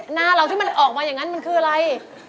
หน้าเราที่มันออกมาอย่างนั้นมันคืออะไร